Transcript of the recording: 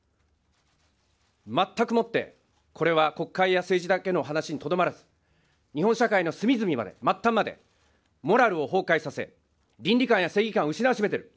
まったくもってこれは国会や政治だけの話にとどまらず、日本社会の隅々まで、末端まで、モラルを崩壊させ、倫理観や正義感を失わしめている。